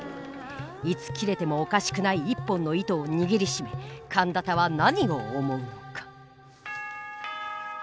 いつ切れてもおかしくない１本の糸を握りしめ陀多は何を思うのか？